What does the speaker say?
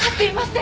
ん？